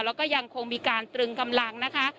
แล้วก็ยังคงมีการตรึงกำลังนะคะ